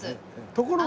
ところが。